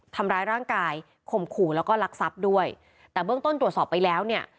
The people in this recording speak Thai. ทำร้ายร่างกายข่มขู่แล้วก็ลักทรัพย์ด้วยแต่เบื้องต้นตรวจสอบไปแล้วเนี่ย